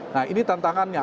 nah ini tantangannya